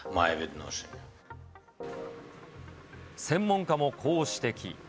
専門家もこう指摘。